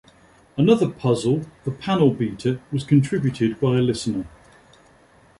Another puzzle, the Panel Beater, was contributed by a listener.